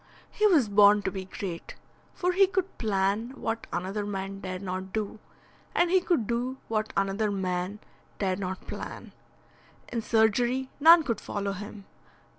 He was born to be great, for he could plan what another man dare not do, and he could do what another man dare not plan. In surgery none could follow him.